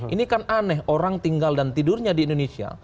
ini kan aneh orang tinggal dan tidurnya di indonesia